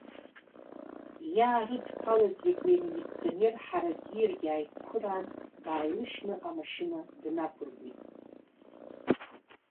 Иаарыдԥалаз егьи амилиционер ҳаракгьы иаргьы ааицхыраан, дааилышьны, амашьына днақәыргәеит.